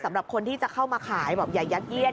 สำหรับคนที่จะเข้ามาขายบอกอย่ายัดเยียด